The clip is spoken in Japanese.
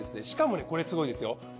しかもねこれすごいですよ。